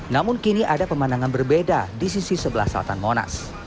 namun kini ada pemandangan berbeda di sisi sebelah selatan monas